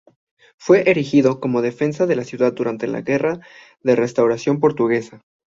Fue erigido como defensa de la ciudad durante la Guerra de Restauración portuguesa.